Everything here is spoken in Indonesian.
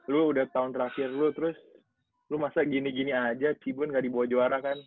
lu udah tahun terakhir lu terus lu masa gini gini aja kibon gak dibawa juara kan